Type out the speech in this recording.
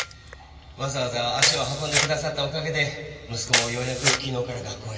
わざわざ足を運んでくださったおかげで息子もようやく昨日から学校へ。